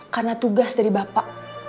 karena tugas dari bapak